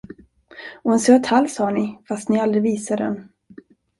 Och en söt hals har ni, fast ni aldrig visar den.